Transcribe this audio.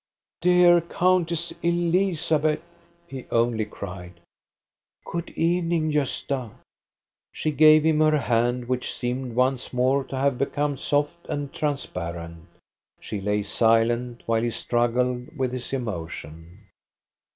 ^" Dear Countess Elizabeth I " he only cried. "Good evening, Gosta." She gave him her hand, which seemed once more to nave become soft and transparent. She lay silent, while he struggled with his emotion.